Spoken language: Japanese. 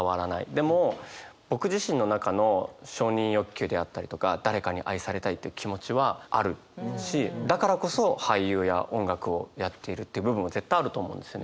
でも僕自身の中の承認欲求であったりとか誰かに愛されたいっていう気持ちはあるしだからこそ俳優や音楽をやっているっていう部分も絶対あると思うんですよね。